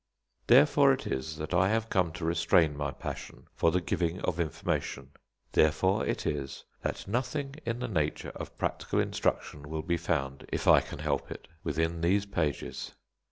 Therefore it is that I have come to restrain my passion for the giving of information; therefore it is that nothing in the nature of practical instruction will be found, if I can help it, within these pages.